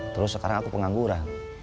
terus sekarang aku pengangguran